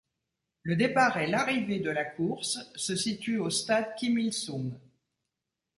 Le départ et l'arrivée de la course se situent au Stade Kim Il-sung.